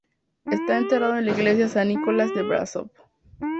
Está enterrado en la iglesia San Nicolás de Braşov.